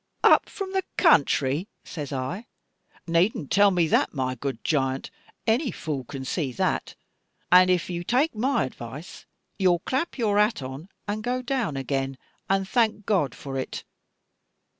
'Up from the country!' says I, 'needn't tell me that, my good giant; any fool can see that. And if you take my advice, you'll clap your hat on, and go down again, and thank God for it.